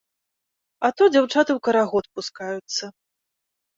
А то дзяўчаты ў карагод пускаюцца.